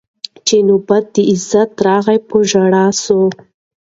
چي نوبت د عزت راغی په ژړا سو